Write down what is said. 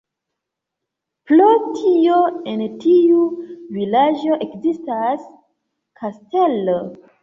Pro tio en tiu vilaĝo ekzistas kastelo.